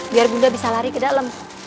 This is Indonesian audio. biar bunda bisa lari ke dalam